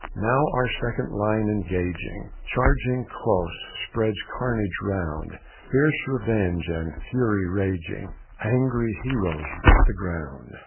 Now our second line engaging, Charging close, spreads carnage round, Fierce revenge and fury raging, Angry heroes bite the ground.